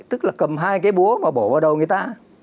tức là cầm hai cái búa mà bổ vào đầu người ta